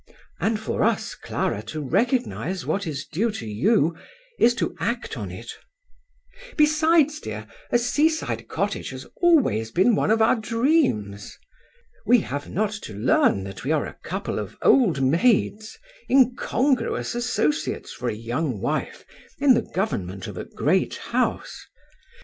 " And for us, Clara, to recognize what is due to you is to act on it." " Besides, dear, a sea side cottage has always been one of our dreams." " We have not to learn that we are a couple of old maids, incongruous associates for a young wife in the government of a great house."